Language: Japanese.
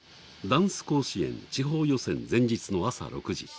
ダンス甲子園地方予選、前日の朝６時。